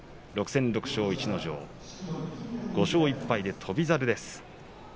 ６戦６勝、逸ノ城５勝１敗で翔猿です。